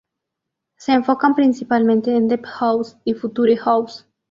Se enfocan principalmente en Deep house y Future house.